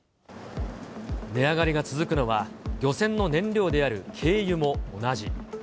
値上がりが続くのは、漁船の燃料である軽油も同じ。